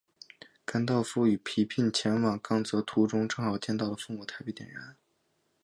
甘道夫与皮聘前往刚铎途中正好见到了烽火台被点燃。